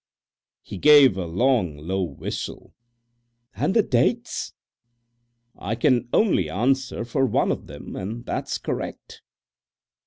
He gave a long, low whistle. "And the dates?" "I can only answer for one of them, and that's correct."